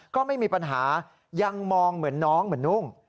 ก็ไม่มีปัญหายังมองเหมือนน้องเหมือนนุ่ง